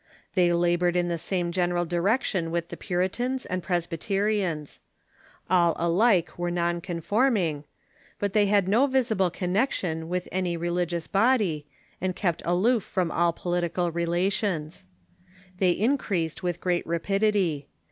They labored in the same general direc tion with the Puritans and Presbyterians. All alike were non conforming. But they had no visible connection with any re ligious body, and kept aloof from all political relations. They increased with great rapidity.